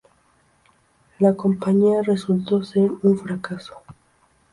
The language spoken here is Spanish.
La Compañía resultó ser un fracaso.